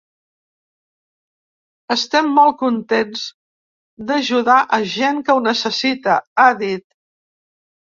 “Estem molt contents d’ajudar a gent que ho necessita”, ha dit.